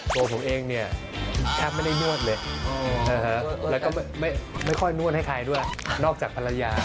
ตัวผมเองเนี่ยแทบไม่ได้นวดเลยแล้วก็ไม่ค่อยนวดให้ใครด้วยนอกจากภรรยา